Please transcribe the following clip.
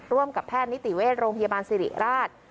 ร่วมกับแพทย์นิติเวชโรงพยาบาลสิริราช